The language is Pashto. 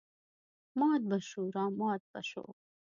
مات به شوو رامات به شوو.